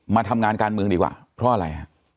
มาทำงานการเมืองดีกว่าเพราะอะไรฮะ